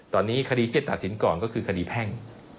ตอนนี้คดีที่จะตัดสินก่อนก็คือคดีแพ่ง